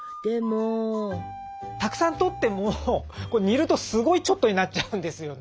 たくさん採っても煮るとすごいちょっとになっちゃうんですよね。